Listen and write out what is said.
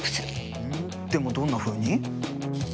ふんでもどんなふうに？